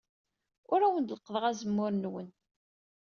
Ur awen-d-leqqḍeɣ azemmur-nwen.